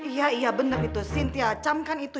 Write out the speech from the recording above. iya bener itu sintia